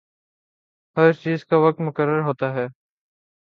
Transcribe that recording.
ہر چیز کا وقت مقرر ہوتا ہے۔